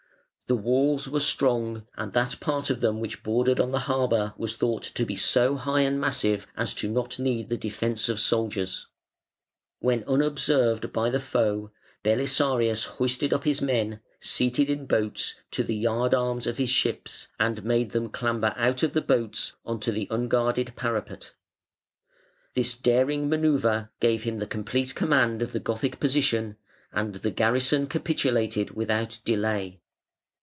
The walls were strong, and that part of them which bordered on the harbour was thought to be so high and massive as not to need the defence of soldiers. When unobserved by the foe, Belisarius hoisted up his men, seated in boats, to the yard arms of his ships and made them clamber out of the boats on to the unguarded parapet. This daring manœuvre gave him the complete command of the Gothic position, and the garrison capitulated without delay.